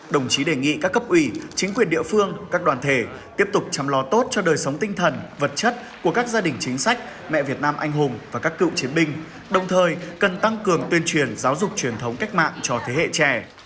đồng chí đề nghị các cấp ủy chính quyền địa phương các đoàn thể tiếp tục chăm lo tốt cho đời sống tinh thần vật chất của các gia đình chính sách mẹ việt nam anh hùng và các cựu chiến binh đồng thời cần tăng cường tuyên truyền giáo dục truyền thống cách mạng cho thế hệ trẻ